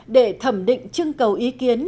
để thẩm định chương cầu ý kiến